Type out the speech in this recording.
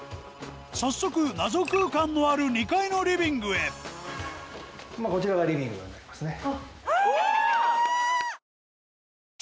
早速謎空間のある２階のリビングへまあこちらがリビングになりますね。